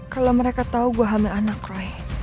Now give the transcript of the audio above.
kalo mereka tau gue hamil anak roy